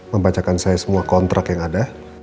membacakan saya semua kontrak yang ada